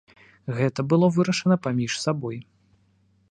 Гэта было вырашана паміж сабой.